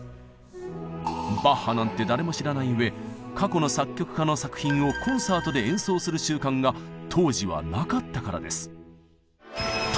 バッハなんて誰も知らないうえ過去の作曲家の作品をコンサートで演奏する習慣が当時はなかったからです。